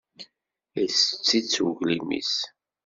Ittett-it uglim-is.